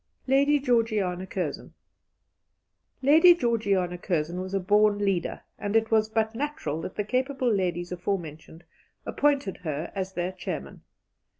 Lady Georgiana Curzon was a born leader, and it was but natural that the capable ladies aforementioned appointed her as their chairman.